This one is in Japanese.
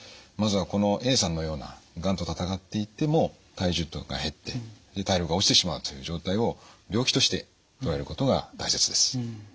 まずはこのＡさんのようながんと闘っていっても体重が減って体力が落ちてしまうという状態を病気としてとらえることが大切です。